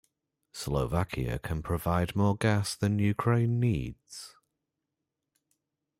Slovakia can provide more gas than Ukraine needs.